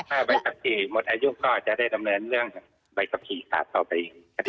ถ้าใบขับขี่หมดอายุก็จะได้ดำเนินเรื่องใบขับขี่ขาดต่อไปอีกคดี